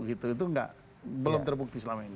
itu belum terbukti selama ini